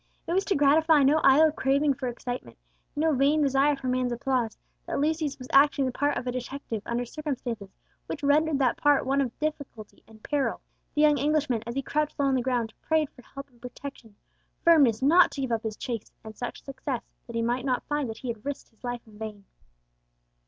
It was to gratify no idle craving for excitement, no vain desire for man's applause, that Lucius was acting the part of a detective under circumstances which rendered that part one of peculiar difficulty and peril. The young Englishman, as he crouched low on the ground, prayed for help and protection, firmness not to give up his chase, and such success that he might not find that he had risked his life in vain.